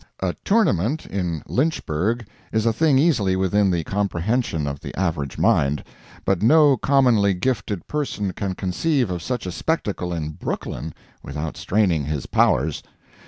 A "tournament" in Lynchburg is a thing easily within the comprehension of the average mind; but no commonly gifted person can conceive of such a spectacle in Brooklyn without straining his powers.